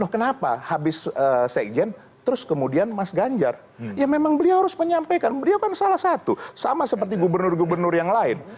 kenapa habis sekjen terus kemudian mas ganjar ya memang beliau harus menyampaikan beliau kan salah satu sama seperti gubernur gubernur yang lain